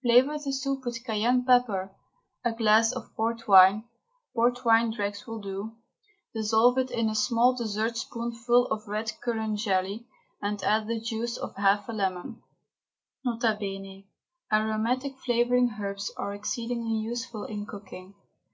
Flavour the soup with cayenne pepper, a glass of port wine (port wine dregs will do), dissolve in it a small dessertspoonful of red currant jelly, and add the juice of half a lemon. N.B. Aromatic flavouring herbs are exceedingly useful in cooking.